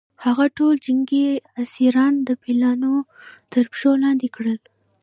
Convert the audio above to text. هغه ټول جنګي اسیران د پیلانو تر پښو لاندې کړل.